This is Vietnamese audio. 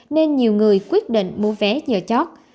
nên nhiều người quyết định mua vé nhờ chót